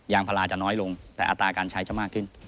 พลาจะน้อยลงแต่อัตราการใช้จะมากขึ้น